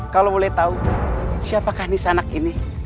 kalau boleh tahu siapakah nisana ini